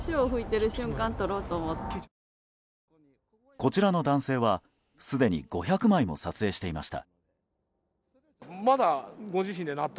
こちらの男性は、すでに５００枚も撮影していました。